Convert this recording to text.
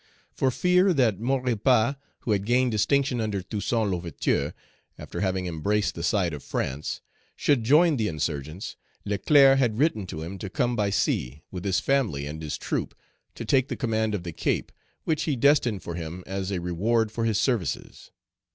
For fear that Maurepas, who had gained distinction under Toussaint L'Ouverture, after having embraced the side of France, should join the insurgents, Leclerc had written to him to come by sea, with his family and his troop, to take the command of the Cape, which he destined for him as a reward for his services.